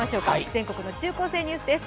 全国の中高生ニュースです。